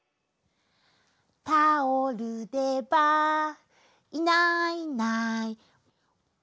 「タオルでバァいないいないバァ」